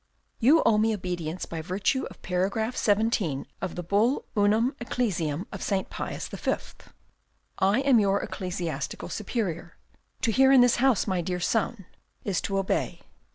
You owe me obedience by virtue of paragraph seventeen of the bull Unam Eccesiam of St. Pius the Fifth. I am your ecclesiastical superior. To hear in this house, my dear son, is to obey.